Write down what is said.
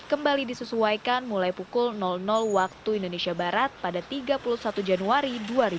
kembali disesuaikan mulai pukul waktu indonesia barat pada tiga puluh satu januari dua ribu dua puluh